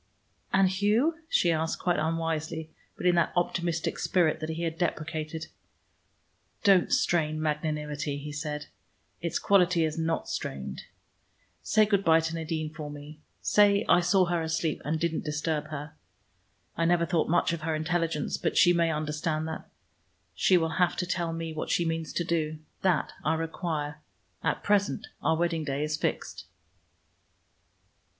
"And Hugh?" she asked, quite unwisely, but in that optimistic spirit that he had deprecated. "Don't strain magnanimity," he said. "It's quality is not strained. Say good by to Nadine for me. Say I saw her asleep, and didn't disturb her. I never thought much of her intelligence, but she may understand that. She will have to tell me what she means to do. That I require. At present our wedding day is fixed."